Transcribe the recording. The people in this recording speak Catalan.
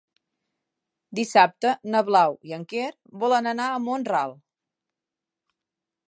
Dissabte na Blau i en Quer volen anar a Mont-ral.